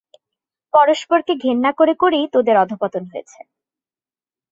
পরস্পরকে ঘেন্না করে করেই তোদের অধঃপতন হয়েছে।